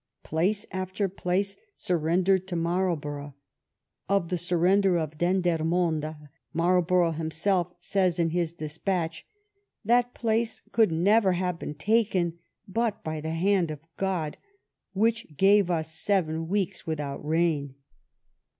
Place after place surrendered to Marl borough. Of the surrender of Dendermonde, Marl ^ borough himself says in his despatch :That place could never have been taken but by the hand of God, which gave us seven weeks without rain.''